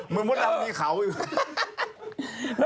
เหมือนมดดาวมีเขาอยู่